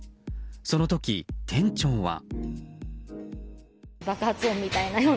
その時、店長は。